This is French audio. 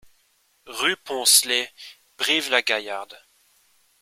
Rue Poncelet, Brive-la-Gaillarde